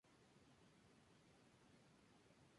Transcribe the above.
Su capital y ciudad más poblada es Villarrica.